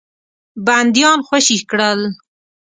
بندیان خوشي کړل.